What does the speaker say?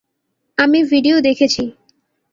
আমি ভিডিও দেখেছি।